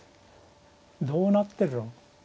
どうなってる？